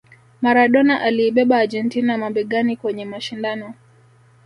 Maradona aliibeba Argentina mabegani kwenye mashindano